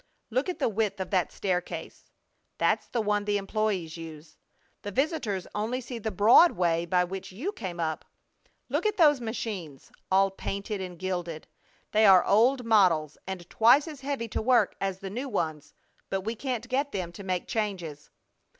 Look at the width of that staircase! That's the one the employees use. The visitors only see the broad way by which you came up. Look at those machines! All painted and gilded! They are old models and twice as heavy to work as the new ones, but we can't get them to make changes.